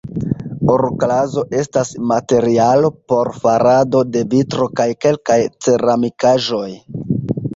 Oroklazo estas materialo por farado de vitro kaj kelkaj ceramikaĵoj.